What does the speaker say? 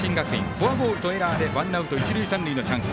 ワンアウト、エラーでワンアウト、一、三塁のチャンス